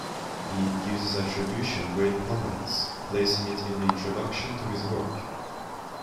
Bede gives this attribution great prominence, placing it in the introduction to his work.